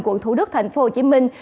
quận thủ đức thành phố hồ chí minh